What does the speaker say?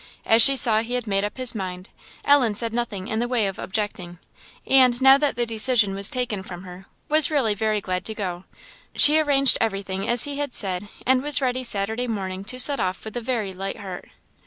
As she saw he had made up his mind, Ellen said nothing in the way of objecting, and, now that the decision was taken from her, was really very glad to go. She arranged everything, as he had said; and was ready Saturday morning to set off with a very light heart.